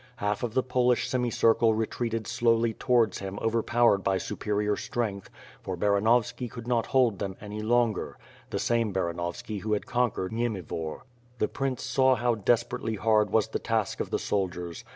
Half of the Polish semi circle reti^eated slowly towards him overpowered by superior strength, for Baranovski could not hold them any longer; the same Baranovski who had conquered Niemivor. Th e prince saw how desperately hard was the task of the soldiers.